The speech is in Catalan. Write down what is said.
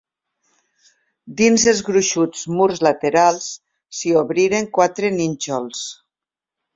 Dins els gruixuts murs laterals s'hi obriren quatre nínxols.